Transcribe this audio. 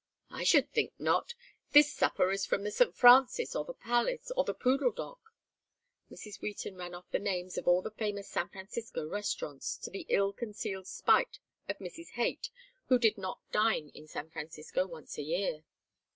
"I should think not! This supper is from the St. Francis, or The Palace, or The Poodle Dog " Mrs. Wheaton ran off the names of all the famous San Francisco restaurants, to the ill concealed spite of Mrs. Haight who did not dine in San Francisco once a year.